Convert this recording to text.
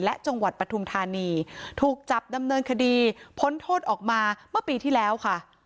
และจังหวัดปฐุมธานีถูกจับดำเนินคดีพ้นโทษออกมาเมื่อปีที่แล้วค่ะ